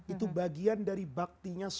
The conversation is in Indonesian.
itu bagian dari baktinya